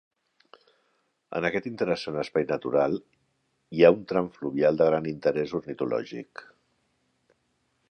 En aquest interessant espai natural hi ha un tram fluvial de gran interès ornitològic.